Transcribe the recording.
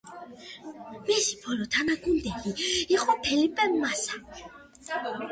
მისი ბოლო თანაგუნდელი იყო ფელიპე მასა.